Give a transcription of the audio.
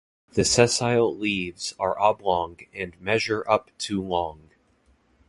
The sessile leaves are oblong and measure up to long.